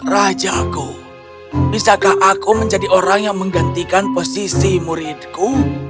rajaku bisakah aku menjadi orang yang menggantikan posisi muridku